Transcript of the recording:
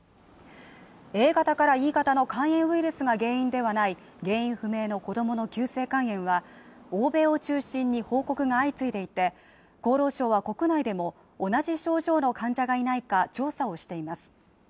Ａ型からＥ型の肝炎ウイルスが原因ではない原因不明の子供の急性肝炎は欧米を中心に報告が相次いでいて、厚労省は国内でも同じ症状の患者がいないか調査をしています。